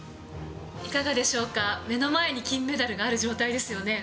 いかがでしょうか、目の前に金メダルがある状態ですよね。